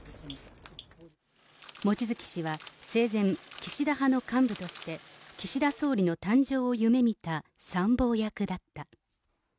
望月氏は生前、岸田派の幹部として、岸田総理の誕生を夢見た参謀役だった。